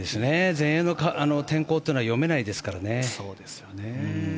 全英の天候は読めないですからね。